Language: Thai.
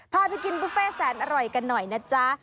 พาไปกินบุฟเฟ่แสนอร่อยกันหน่อยนะจ๊ะ